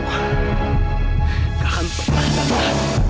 gak akan pernah